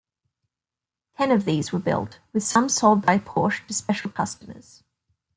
Ten of these were built, with some sold by Porsche to special customers.